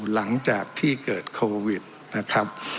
หลังจากที่เกิดโควิดนะครับ